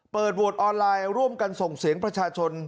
เปิดโวทธ์ออนไลน์ร่วมกันส่งเสียงประชาชน